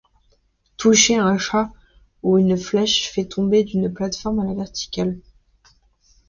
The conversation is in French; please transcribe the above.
Toucher un chat ou une flèche fait tomber d'une plate-forme à la verticale.